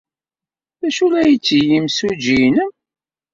D acu ay la yetteg yimsujji-nnem?